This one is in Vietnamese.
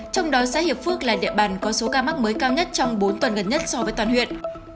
trong đó xã hiệp phước là địa bàn có số ca mắc mới cao nhất trong bốn tuần gần nhất so với toàn huyện